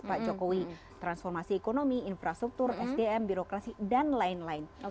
pak jokowi transformasi ekonomi infrastruktur sdm birokrasi dan lain lain